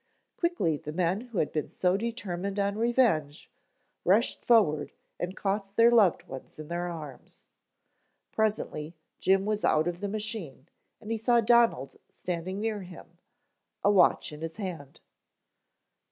Quickly the men who had been so determined on revenge, rushed forward and caught their loved ones in their arms. Presently Jim was out of the machine and he saw Donald standing near him, a watch in his hand.